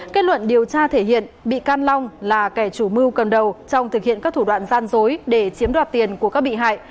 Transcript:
kết luận điều tra thể hiện bị can long là kẻ chủ mưu cầm đầu trong thực hiện các thủ đoạn gian dối để chiếm đoạt tiền của các bị hại